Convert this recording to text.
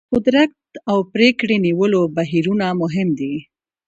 قدرت او پرېکړې نیولو بهیرونه مهم دي.